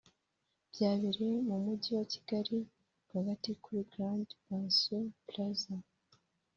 byabereye mu Mujyi wa Kigali rwagati kuri Grand Pension Plaza